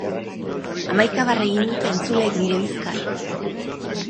Hamaika barre egin dute entzuleek nire bizkar!